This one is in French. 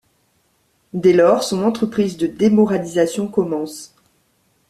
Dès lors, son entreprise de démoralisation commence.